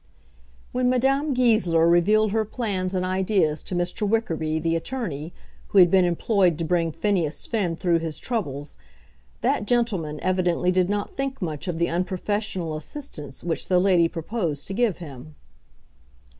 When Madame Goesler revealed her plans and ideas to Mr. Wickerby, the attorney, who had been employed to bring Phineas Finn through his troubles, that gentleman evidently did not think much of the unprofessional assistance which the lady proposed to give him.